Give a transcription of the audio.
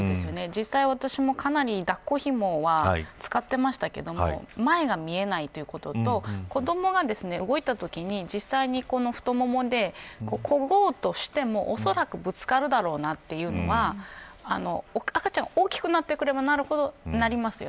実際、私もかなり抱っこひもは使ってましたけど前が見えないということと子どもが動いたときに実際に太腿でこごうとしても、恐らくぶつかるだろうというのは赤ちゃんが大きくなればなるほどなります。